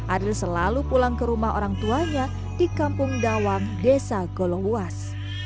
ariel selalu pulang ke rumah orang tuanya di kampung dawang desa golongwas